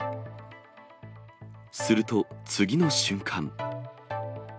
すると、次の瞬間。